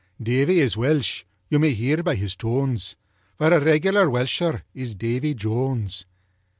Davy is Welsh you may hear by his tones, For a regular Welsher is Davy Jones.